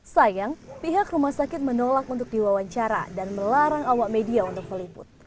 sayang pihak rumah sakit menolak untuk diwawancara dan melarang awak media untuk meliput